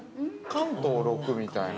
関東は６みたいな。